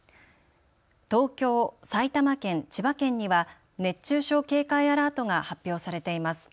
東京、埼玉県、千葉県には熱中症警戒アラートが発表されています。